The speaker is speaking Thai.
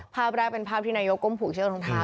ภาพแรกเป็นภาพที่นายกก้มผูกเชือกรองเท้า